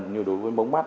như đối với mống mắt